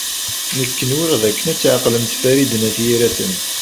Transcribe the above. Nekk nwiɣ dakken ad tɛeqlemt Farid n At Yiraten.